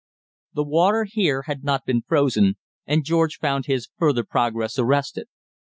The water here had not been frozen, and George found his further progress arrested.